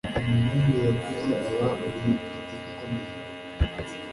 Umuhungu yakuze aba umunyapolitiki ukomeye